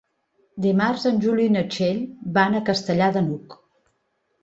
Dimarts en Juli i na Txell van a Castellar de n'Hug.